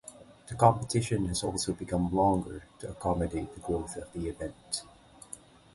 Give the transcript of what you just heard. The competition has also become longer to accommodate the growth of the event.